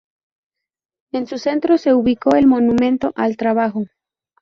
En su centro se ubicó el Monumento al Trabajo.